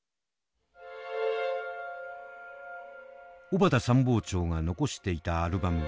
小畑参謀長が残していたアルバム。